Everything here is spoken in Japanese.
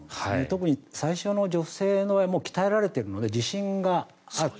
特に最初の女性は鍛えられているので自信がある。